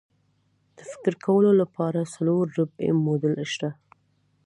د فکر کولو لپاره څلور ربعي موډل شته.